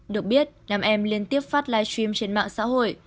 được biết nam em liên tiếp phát live stream trên mạng xã hội